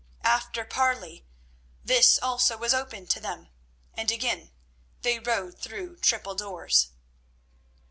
After parley, this also was opened to them, and again they rode through triple doors.